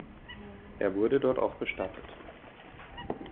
Er wurde dort auch bestattet.